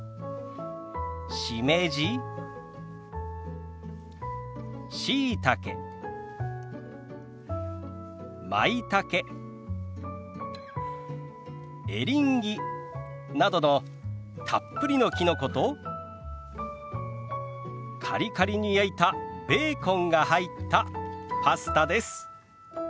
しめじしいたけまいたけエリンギなどのたっぷりのきのことカリカリに焼いたベーコンが入ったパスタです。